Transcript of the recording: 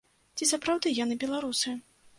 Ці сапраўды яны беларусы?